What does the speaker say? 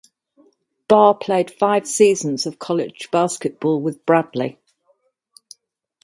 Bar played five seasons of college basketball with Bradley.